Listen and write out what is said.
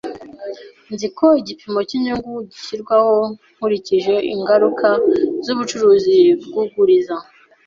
Nzi ko igipimo cyinyungu gishyirwaho nkurikije ingaruka zubucuruzi bwuguriza.